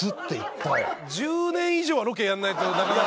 １０年以上はロケやんないとなかなか。